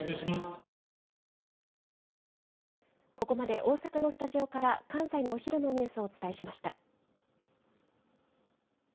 ここまで大阪のスタジオから関西のお昼のニュースをお伝えしました。